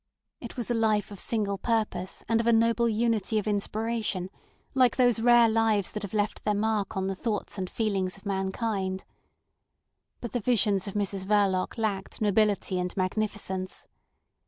It was a life of single purpose and of a noble unity of inspiration, like those rare lives that have left their mark on the thoughts and feelings of mankind. But the visions of Mrs Verloc lacked nobility and magnificence.